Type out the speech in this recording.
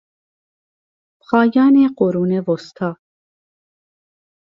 پایان قرون وسطی